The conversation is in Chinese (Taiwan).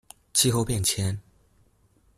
氣候變遷